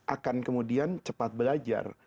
akan kemudian cepat belajar